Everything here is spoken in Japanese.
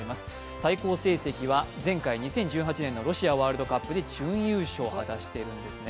最高成績は前回、２０１８年のロシアワールドカップで準優勝を果たしているんですね。